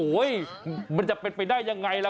อ๋อว๋ยมันจะเป็นไปได้ยังไงละ